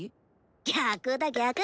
逆だ逆！